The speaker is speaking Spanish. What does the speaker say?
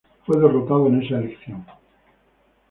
Fue derrotado en esa elección.